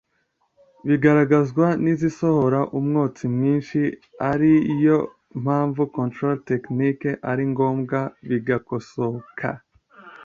bigaragazwa n’izisohora umwotsi mwinshi ari yo mpamvu ‘controle technique’ ari ngombwa bigakosoka